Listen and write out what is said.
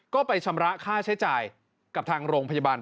ก็ไปชำระค่าใช้จ่ายกับทางโรงพยาบาล